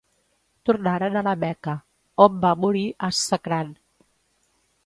Tornaren a la Meca, on va morir As-Sakran.